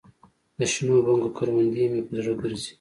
دشنو بنګو کروندې مې په زړه ګرځي